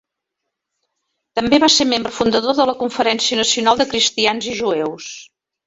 També va ser membre fundador de la Conferència Nacional de Cristians i Jueus.